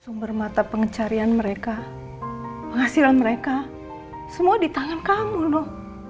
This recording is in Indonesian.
sumber mata pengecarian mereka penghasilan mereka semua di tangan kamu loh